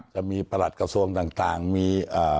ประหลัดกระทรวงต่างมี